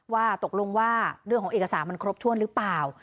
ว่าตกลงว่าเรื่องของเอกสารมันครบถ้วนหรือเปล่า